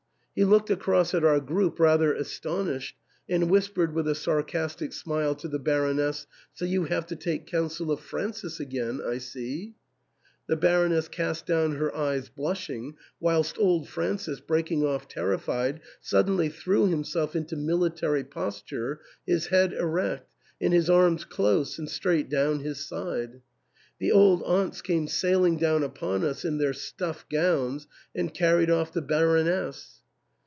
He looked across at our group rather astonished, and whispered with a sarcastic smile to the Baroness, " So you have to take counsel of Francis again, I see ?" The Baron ess cast down her eyes blushing, whilst old Francis breaking off terrified, suddenly threw himself into mili tary posture, his head erect, and his arms close and straight down his side. The old aunts came sailing down upon us in their stuff gowns and carried off the Baroness.